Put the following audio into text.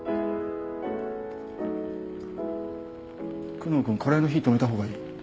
久能君カレーの火止めた方がいい。